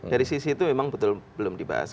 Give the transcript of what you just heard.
dari sisi itu memang betul belum dibahas